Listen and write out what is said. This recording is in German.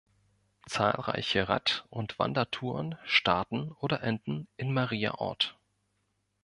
Zahlreiche Rad- und Wandertouren starten oder enden in Mariaort.